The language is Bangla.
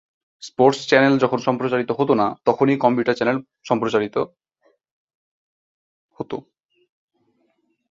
স্পোর্টস চ্যানেল যখন সম্প্রচারিত হত না, তখনই কম্পিউটার চ্যানেল সম্প্রচারিত হত।